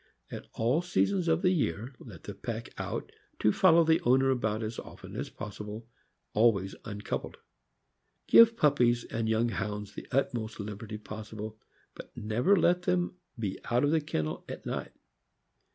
At all seasons of the year, let the pack out to follow the owner about as often as possible, always uncoupled. Give pup pies and young Hounds the utmost liberty possible, but never let them be out of the kennel at night.